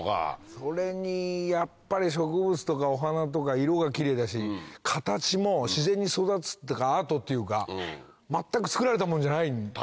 それにやっぱり植物とかお花とか色がキレイだし形も自然に育つっていうかアートっていうか全くつくられたものじゃない。